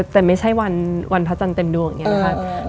แต่ไม่ใช่วันพระจันทร์เต็มดวงอย่างนี้นะคะ